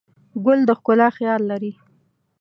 ګل د ښکلا خیال لري.